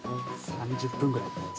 ◆３０分ぐらいです。